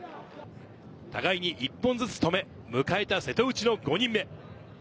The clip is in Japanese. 互いに１本ずつ止め、迎えた瀬戸内の５人目。